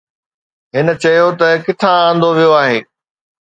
هن چيو ته ڪٿان آندو ويو آهي.